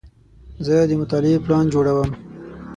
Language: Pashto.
زه د مطالعې پلان جوړوم.